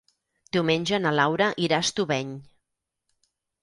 Diumenge na Laura irà a Estubeny.